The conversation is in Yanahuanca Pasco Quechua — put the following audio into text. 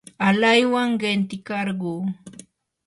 alaywan qintikarquu.